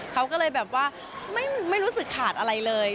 เขาก็เลยแบบว่าไม่รู้สึกขาดอะไรเลย